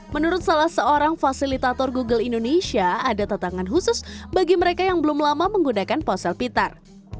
menurut salah seorang fasilitator google indonesia ada tetangan khusus bagi mereka yang belum lama menggunakan ponsel pintar